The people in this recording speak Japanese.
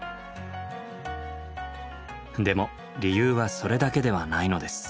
でも理由はそれだけではないのです。